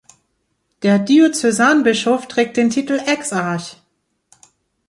Der Diözesanbischof trägt den Titel Exarch.